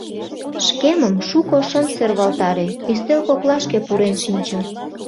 Шкемым шуко шым сӧрвалтаре, ӱстел коклашке пурен шинчым.